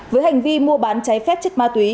với hành vi mua bán cháy phép chất ma túy